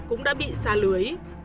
cũng đã bị xa lưới